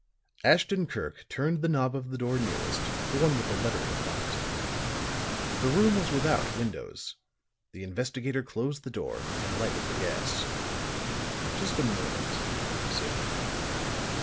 Ashton Kirk turned the knob of the door nearest, the one with the lettering upon it. The room was without windows; the investigator closed the door and lighted the gas. "Just a moment," said he.